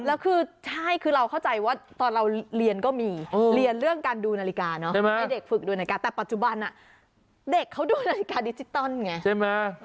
แล้วคือใช่คือเราเข้าใจว่าตอนเราเรียนก็มีเรียนเรื่องการดูนาฬิกาเนาะให้เด็กฝึกดูนาฬิกาแต่ปัจจุบันเด็กเขาดูนาฬิกาดิจิตอลไงใช่ไหม